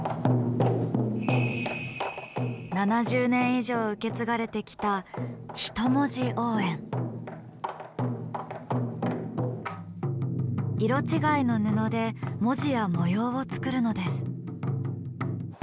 ７０年以上受け継がれてきた色違いの布で文字や模様をつくるのです。